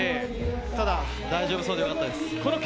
ただ、大丈夫そうでよかったです。